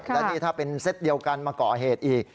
และนี่ถ้าเป็นเซตเดียวกันมาก่อเหตุอีก